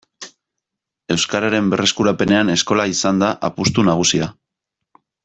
Euskararen berreskurapenean eskola izan da apustu nagusia.